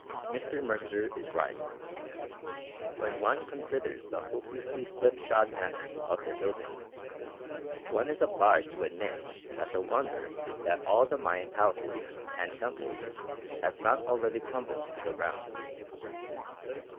Mr. Mercer is right. When one considers the hopelessly slipshod manner of their building, one is obliged to admit that the wonder is that all the Mayan palaces and temples have not already crumbled to the ground.